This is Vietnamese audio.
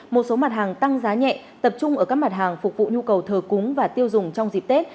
một số mặt hàng tăng giá nhẹ tập trung ở các mặt hàng phục vụ nhu cầu thờ cúng và tiêu dùng trong dịp tết